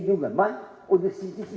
saya melihatnya sendiri